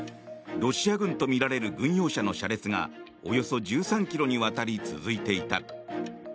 ロシア軍とみられる軍用車の車列がおよそ１３ｋｍにわたり続いていた。